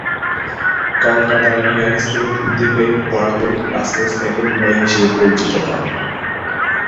কলকাতার হেয়ার স্কুলে ভর্তি হয়ে বরাবরই ক্লাসের সেকেন্ড বয় হিসেবে পরিচিত পান।